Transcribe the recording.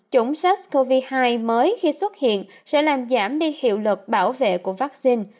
chủng sars cov hai mới khi xuất hiện sẽ làm giảm nên hiệu lực bảo vệ của vaccine